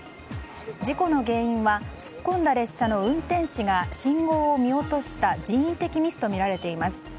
事故の原因は突っ込んだ列車の運転士が信号を見落とした人為的ミスとみられています。